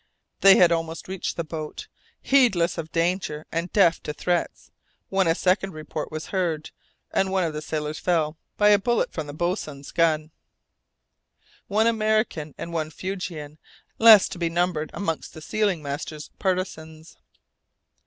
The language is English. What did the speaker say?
They had almost reached the boat, heedless of danger and deaf to threats, when a second report was heard, and one of the sailors fell, by a bullet from the boatswain's gun. One American and one Fuegian less to be numbered amongst the sealing master's partisans!